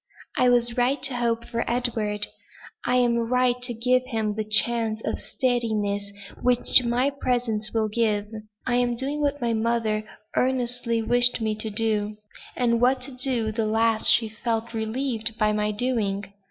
"I was right to hope for Edward; I am right to give him the chance of steadiness which my presence will give. I am doing what my mother earnestly wished me to do; and what to the last she felt relieved by my doing.